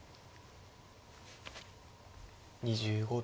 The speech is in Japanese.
２５秒。